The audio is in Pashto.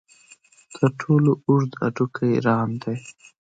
تر ټولو اوږد هډوکی ران دی.